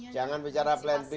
jangan bicara plan b